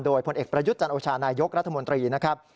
โดยผลเอกประยุทธ์จันโอชานายกรัฐมนตรีนะครับ